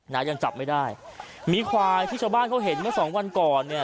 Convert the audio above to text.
ยังจับไม่ได้มีควายที่ชาวบ้านเขาเห็นเมื่อสองวันก่อนเนี่ย